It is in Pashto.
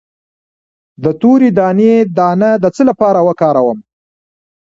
د تورې دانې دانه د څه لپاره وکاروم؟